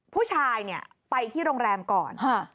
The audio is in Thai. ผู้ชายไปที่โรงแรมก่อน